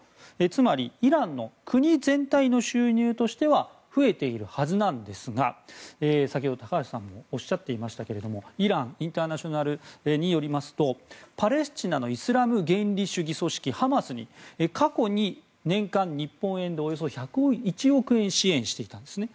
つまり、イランの国全体の収入としては増えているはずなんですが先ほど高橋さんもおっしゃっていましたがイラン・インターナショナルによりますとパレスチナのイスラム原理主義組織ハマスに過去に年間日本円でおよそ１０１億円支援していたんですね。